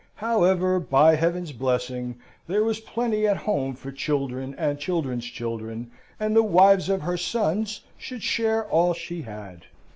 However, by Heaven's blessing, there was plenty at home for children and children's children, and the wives of her sons should share all she had.